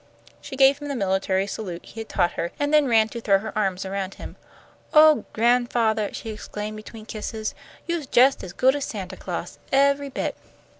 '" She gave him the military salute he had taught her, and then ran to throw her arms around him. "Oh, gran'fathah!" she exclaimed, between her kisses, "you'se jus' as good as Santa Claus, every bit."